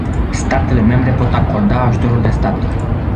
Statele membre pot acorda ajutorul de stat.